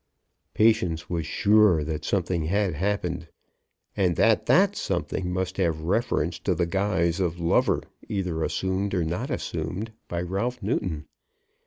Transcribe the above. Patience was sure that something had happened, and that that something must have reference to the guise of lover either assumed or not assumed by Ralph Newton.